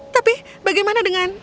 tapi bagaimana dengan